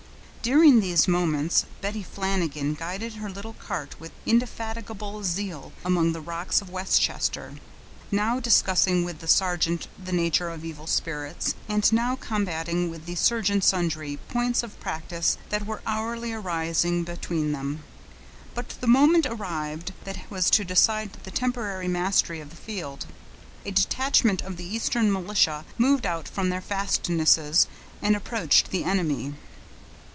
During these movements, Betty Flanagan guided her little cart with indefatigable zeal among the rocks of Westchester, now discussing with the sergeant the nature of evil spirits, and now combating with the surgeon sundry points of practice that were hourly arising between them. But the moment arrived that was to decide the temporary mastery of the field. A detachment of the eastern militia moved out from their fastnesses, and approached the enemy.